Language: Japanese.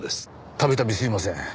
度々すみません。